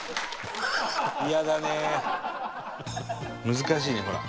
難しいねほら。